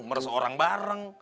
meres orang bareng